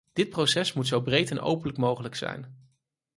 Dit proces moet zo breed en open mogelijk zijn.